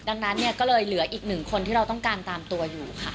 ดังนั้นเนี่ยก็เลยเหลืออีกหนึ่งคนที่เราต้องการตามตัวอยู่ค่ะ